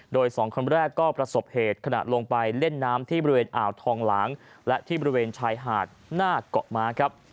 โดยสองคนแรกก็ประสบเหตุขณะลงไปเล่นน้ำที่บริเวณอ่าวทองหลางและที่บริเวณชายหาดหน้าเกาะม้าครับ